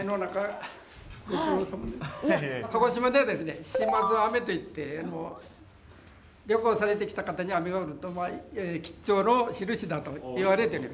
鹿児島ではですね島津雨といって旅行されてきた方に雨が降ると吉兆のしるしだといわれてる。